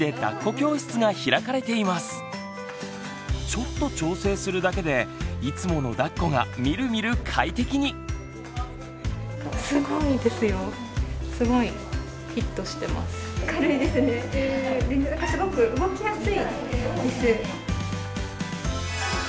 ちょっと調整するだけでいつものだっこがみるみる快適に。を教えちゃいます！